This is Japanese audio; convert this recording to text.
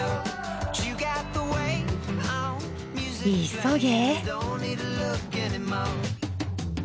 急げ。